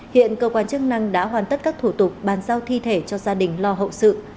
hiện cơ quan chức năng đã hoàn tất các thủ tục bàn giao thi thể cho gia đình lo hậu sự